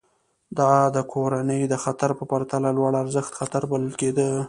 دا د کورنۍ د خطر په پرتله لوړارزښت خطر بلل کېده.